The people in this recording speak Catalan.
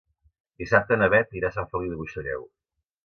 Dissabte na Bet irà a Sant Feliu de Buixalleu.